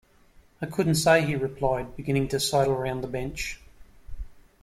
"I couldn't say," he replied, beginning to sidle round the bench.